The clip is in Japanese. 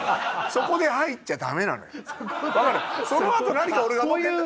そこで入っちゃダメなのよ分かる？